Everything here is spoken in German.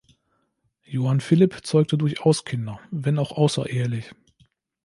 Johann Philipp zeugte durchaus Kinder, wenn auch außerehelich.